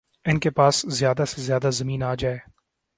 ان کے پاس زیادہ سے زیادہ زمین آجائے